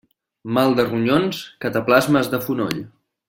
Mal de ronyons, cataplasmes de fonoll.